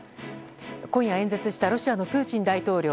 今夜、演説したロシアのプーチン大統領。